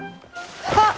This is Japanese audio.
あっ！